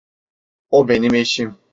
O benim eşim.